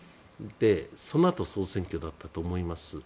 そのあと総選挙だったと思います。